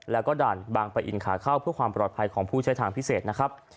แล้วก็ด่านบางปะอินขาเข้าเพื่อความปลอดภัยของผู้ใช้ทางพิเศษนะครับ